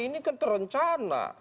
ini kan terencana